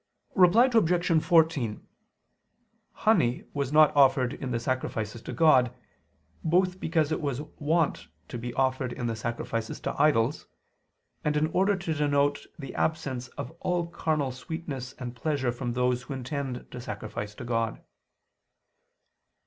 Reply Obj. 14: Honey was not offered in the sacrifices to God, both because it was wont to be offered in the sacrifices to idols; and in order to denote the absence of all carnal sweetness and pleasure from those who intend to sacrifice to God.